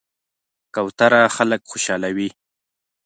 کوتره خلک خوشحالوي.